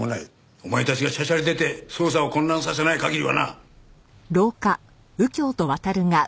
お前たちがしゃしゃり出て捜査を混乱させない限りはな。